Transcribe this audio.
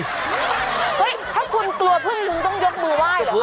เฮ้ยถ้าคุณกลัวพึ่งลุงต้องยกมือไหว้เหรอ